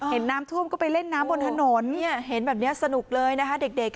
เห็นน้ำท่วมก็ไปเล่นน้ำบนถนนเห็นแบบนี้สนุกเลยนะคะเด็ก